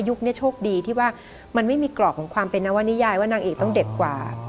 โชคดีที่ว่ามันไม่มีกรอบของความเป็นนวนิยายว่านางเอกต้องเด็ดกว่า